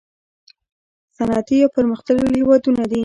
صنعتي یا پرمختللي هیوادونه دي.